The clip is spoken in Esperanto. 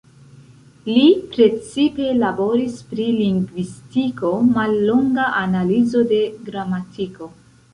Li precipe laboris pri lingvistiko, "Mallonga analizo de gramatiko.